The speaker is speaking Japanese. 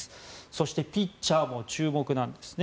そして、ピッチャーも注目なんですね。